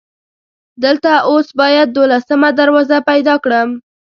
دلته اوس باید دولسمه دروازه پیدا کړم.